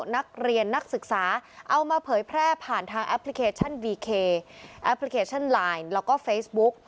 นักศึกษาเอามาเผยแพร่ผ่านทางแอปพลิเคชันวีเคแอปพลิเคชันไลน์แล้วก็เฟซบุ๊ก